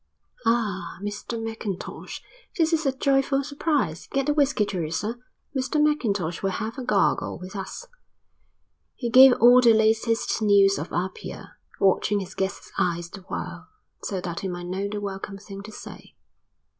"Ah, Mr Mackintosh, this is a joyful surprise. Get the whisky, Teresa; Mr Mackintosh will have a gargle with us." He gave all the latest news of Apia, watching his guest's eyes the while, so that he might know the welcome thing to say.